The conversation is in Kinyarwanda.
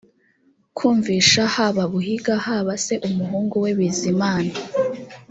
kumvisha haba buhiga haba se umuhungu we bizimana